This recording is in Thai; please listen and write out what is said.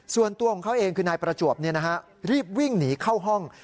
ส่วนตัวของเขาเองคือนายประจวบรีบวิ่งหนีเข้าห้อง